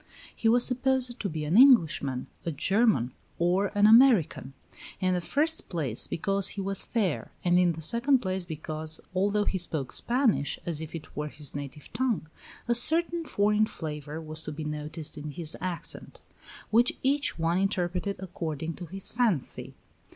He was supposed to be an Englishman, a German, or an American; in the first place, because he was fair, and in the second place, because, although he spoke Spanish as if it were his native tongue, a certain foreign flavor was to be noticed in his accent, which each one interpreted according to his fancy.